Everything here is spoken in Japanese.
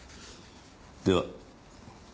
では。